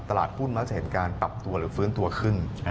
ตลาดหุ้นมักจะเห็นการปรับตัวหรือฟื้นตัวขึ้น